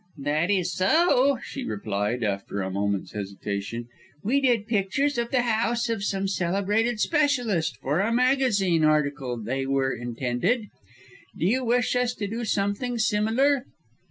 "That is so," she replied, after a moment's hesitation. "We did pictures of the house of some celebrated specialist for a magazine article they were intended. Do you wish us to do something similar?"